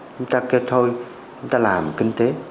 chúng ta kêu thôi chúng ta làm kinh tế